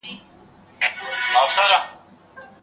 لوبې به ژبه پیاوړې کړي.